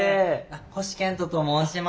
星賢人と申します。